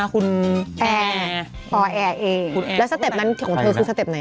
คุณแอร์ปอแอร์เองแล้วสเต็ปนั้นของเธอคือสเต็ปไหน